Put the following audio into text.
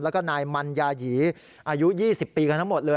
แล้วก็นายมันยายีอายุ๒๐ปีกันทั้งหมดเลย